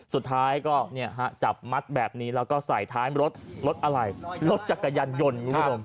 สุดท้ายก็เนี่ยฮะจับมัดแบบนี้แล้วก็ใส่ท้ายรถรถอะไรรถจักรยานยนต์คุณผู้ชม